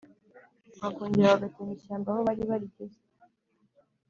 bakongera bagatema ishyamba aho bari barigeze.